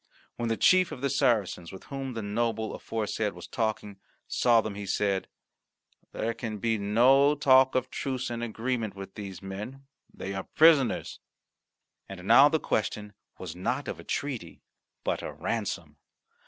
When the chief of the Saracens, with whom the noble aforesaid was talking, saw them, he said, "There can be no talk of truce and agreement with these men; they are prisoners." And now the question was not of a treaty but a ransom.